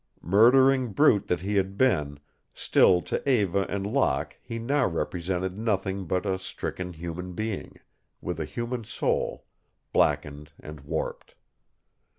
Murdering brute that he had been, still to Eva and Locke he now represented nothing but a stricken human being, with a human soul, blackened and warped.